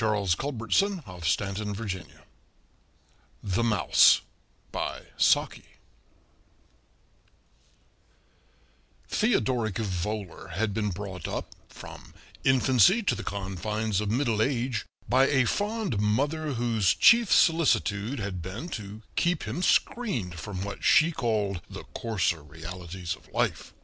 H. Munro (Saki) (1870 1916) Approximate Word Count: 1520 Theodoric Voler had been brought up, from infancy to the confines of middle age, by a fond mother whose chief solicitude had been to keep him screened from what she called the coarser realities of life.